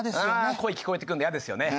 声聞こえてくるのイヤですよね。